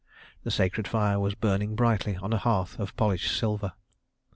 The sacred fire was burning brightly on a hearth of polished silver.